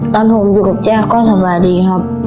ตอนผมอยู่กับย่าก็สบายดีครับ